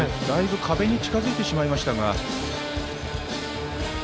だいぶ壁に近づいてしまいましたが。